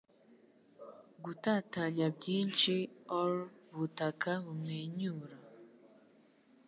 Gutatanya byinshi o'er butaka bumwenyura,